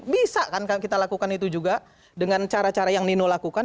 bisa kan kita lakukan itu juga dengan cara cara yang nino lakukan